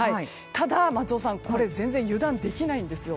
ただ、松尾さん全然油断できないんですよ。